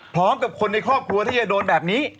พร้อมกับคนในครอบครัวที่จะโดนแบบนี้